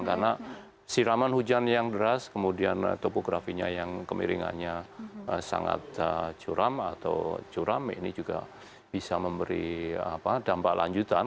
karena siraman hujan yang deras kemudian topografinya yang kemiringannya sangat curam atau curam ini juga bisa memberi dampak lanjutan